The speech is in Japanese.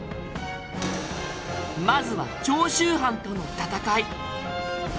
まずは長州藩との戦い。